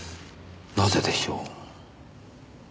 なぜでしょう？